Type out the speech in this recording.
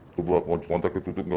coba kunci kontak ditutup nggak